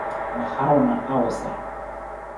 Ma haru na awusar.